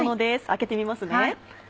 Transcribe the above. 開けてみますね。